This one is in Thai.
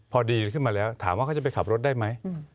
พอดีขึ้นมาแล้วถามว่าเขาจะไปขับรถได้ไหม